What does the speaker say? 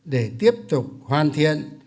để tiếp tục hoàn thiện